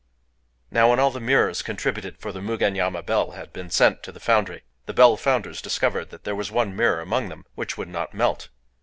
Now, when all the mirrors contributed for the Mugenyama bell had been sent to the foundry, the bell founders discovered that there was one mirror among them which would not melt.